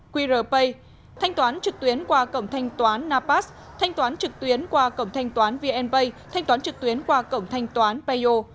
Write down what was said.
qr pay thanh toán trực tuyến qua cổng thanh toán napas thanh toán trực tuyến qua cổng thanh toán vnpay thanh toán trực tuyến qua cổng thanh toán payo